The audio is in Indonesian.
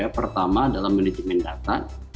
pertama adalah manajemen data